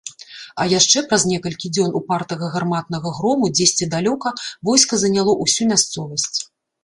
А яшчэ праз некалькі дзён упартага гарматнага грому дзесьці далёка войска заняло ўсю мясцовасць.